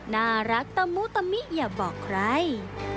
น่ารักตะมุตะมิอย่าบอกใคร